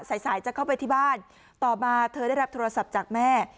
สายสายจะเข้าไปที่บ้านต่อมาเธอได้รับโทรศัพท์จากแม่